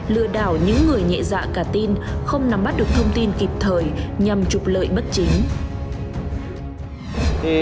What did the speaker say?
lừa đảo những người nhẹ dạ cả tin không nắm bắt được thông tin kịp thời nhằm trục lợi bất chính